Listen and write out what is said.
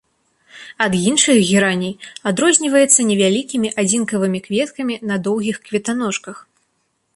Ад іншых гераней адрозніваецца невялікімі адзінкавымі кветкамі на доўгіх кветаножках.